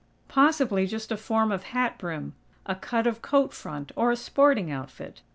Possibly just a form of hat brim, a cut of coat front, or a sporting outfit.